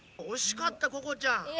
おしかったここちゃん。